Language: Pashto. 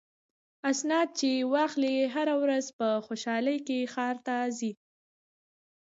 اسناد چې واخلي هره ورځ په خوشحالۍ ښار ته ځي.